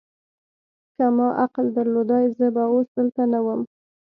که ما عقل درلودای، زه به اوس دلته نه ووم.